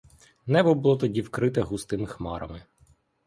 Небо було тоді вкрите густими хмарами.